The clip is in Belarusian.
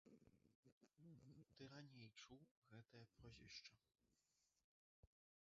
Ты раней чуў гэтае прозвішча.